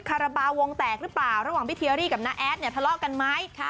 คาราบาลวงแตกหรือเปล่าระหว่างพี่เทียรี่กับน้าแอดเนี่ยทะเลาะกันไหม